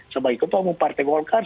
sebagai ketua umum partai golkar